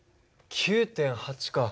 ９．８か。